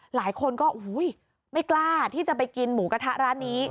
หลายคนก็ไม่กล้าที่จะไปกินหมูกระทะร้านนี้